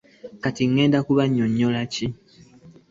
Kati ŋŋenda kubannyonnyola ki?